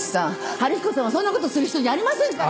春彦さんはそんなことする人じゃありませんから！